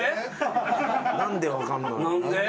何で分かんの？